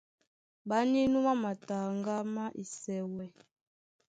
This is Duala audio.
Ɓá nínúmá mataŋgá má Esɛwɛ.